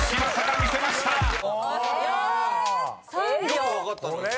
よく分かったな。